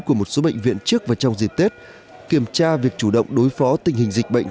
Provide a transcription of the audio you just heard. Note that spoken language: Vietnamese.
của một số bệnh viện trước và trong dịp tết kiểm tra việc chủ động đối phó tình hình dịch bệnh